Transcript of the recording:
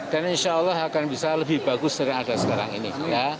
dan insya allah akan bisa lebih bagus dari yang ada sekarang ini ya